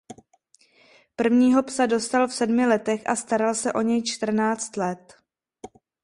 Prvního psa dostal v sedmi letech a staral se o něj čtrnáct let.